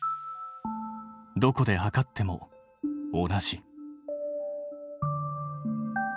どこで測っても同じ。